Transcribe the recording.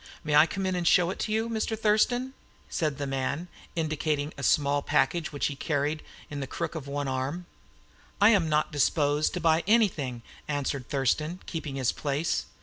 May I come in and show it to you, Mr. Thurston?" said the man, indicating a small parcel which he carried in the crook of one arm. "I am not disposed to buy anything," answered Thurston, keeping his place.